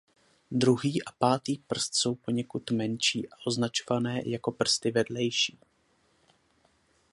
Druhý a pátý prst jsou poněkud menší a označované jako prsty vedlejší.